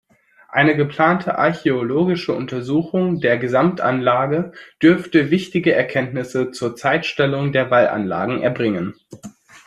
Eine geplante archäologische Untersuchung der Gesamtanlage dürfte wichtige Erkenntnisse zur Zeitstellung der Wallanlagen erbringen.